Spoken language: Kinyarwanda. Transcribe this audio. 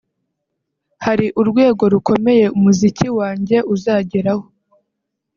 hari urwego rukomeye umuziki wanjye uzageraho